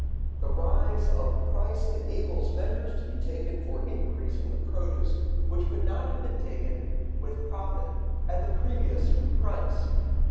The rise of price enables measures to be taken for increasing the produce, which could not have been taken with profit at the previous price.